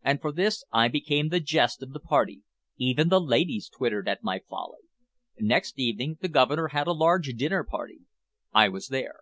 And for this I became the jest of the party; even the ladies tittered at my folly. Next evening the Governor had a large dinner party. I was there.